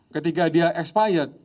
ketika dia expired